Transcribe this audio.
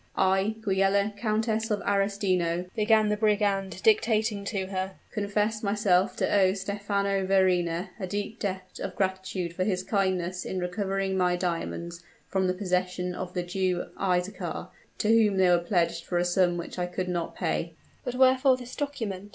"I, Giulia, Countess of Arestino," began the brigand, dictating to her, "confess myself to owe Stephano Verrina a deep debt of gratitude for his kindness in recovering my diamonds from the possession of the Jew Isaachar, to whom they were pledged for a sum which I could not pay." "But wherefore this document?"